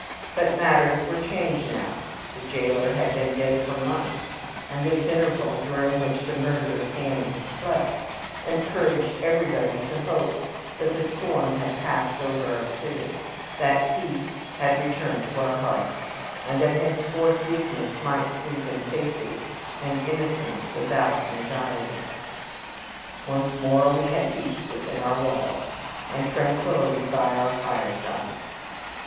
But matters were changed now; the jailer had been dead for months, and this interval, during which the murderer's hand had slept, encouraged everybody to hope that the storm had passed over our city; that peace had returned to our hearths; and that henceforth weakness might sleep in safety, and innocence without anxiety. Once more we had peace within our walls, and tranquillity by our firesides.